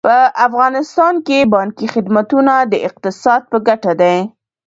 په افغانستان کې بانکي خدمتونه د اقتصاد په ګټه دي.